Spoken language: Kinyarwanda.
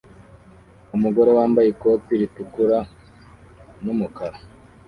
Umugore wambaye ikoti ritukura n'umukara